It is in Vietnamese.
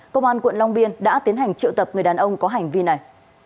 công an quận long biên đã tiến hành triệu tập người đàn ông có hành vi này